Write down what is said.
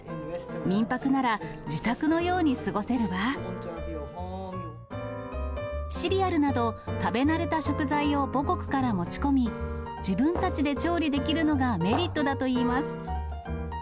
民泊なら、シリアルなど、食べ慣れた食材を母国から持ち込み、自分たちで調理できるのがメリットだといいます。